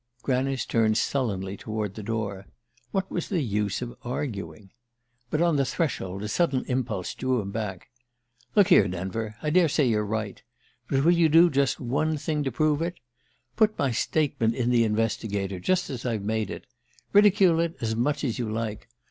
Granice turned sullenly toward the door. What was the use of arguing? But on the threshold a sudden impulse drew him back. "Look here, Denver I daresay you're right. But will you do just one thing to prove it? Put my statement in the Investigator, just as I've made it. Ridicule it as much as you like.